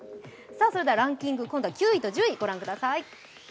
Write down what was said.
それではランキング、今度は９位と１０位、ご覧ください。